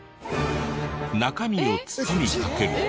中身を土にかけると。